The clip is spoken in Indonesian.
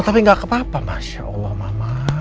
tapi gak ke papa masya allah mama